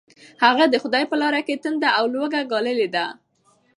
هغه د خدای په لاره کې تنده او لوږه ګاللې ده.